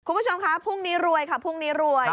คุณผู้ชมคะพรุ่งนี้รวยค่ะพรุ่งนี้รวย